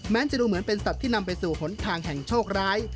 จะดูเหมือนเป็นสัตว์ที่นำไปสู่หนทางแห่งโชคร้าย